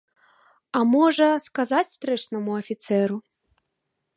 А можа, сказаць стрэчнаму афіцэру?